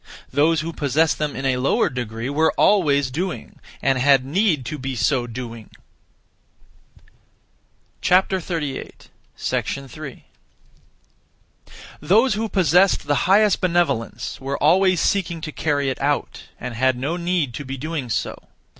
(Those who) possessed them in a lower degree were (always) doing, and had need to be so doing. 3. (Those who) possessed the highest benevolence were (always seeking) to carry it out, and had no need to be doing so.